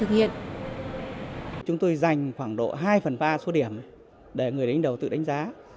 chúng tôi dành khoảng độ hai phần ba số điểm để người đứng đầu tự đánh giá